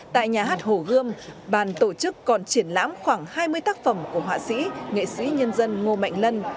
tại nhà hát hồ gươm bàn tổ chức còn triển lãm khoảng hai mươi tác phẩm của họa sĩ nghệ sĩ nhân dân ngô mạnh lân